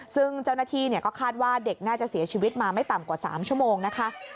ซึ่งเจ้าหน้าที่ก็คาดว่าเด็กน่าจะเสียชีวิตมาไม่ต่ำกว่า๓ชั่วโมงนะคะ